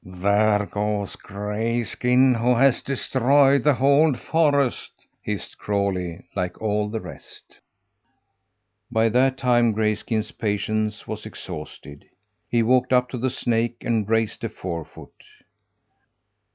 "There goes Grayskin, who has destroyed the whole forest!" hissed Crawlie, like all the rest. By that time Grayskin's patience was exhausted. He walked up to the snake, and raised a forefoot.